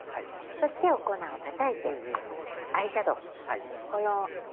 そして、お粉をたたいてアイシャドー。